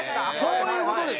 そういう事です！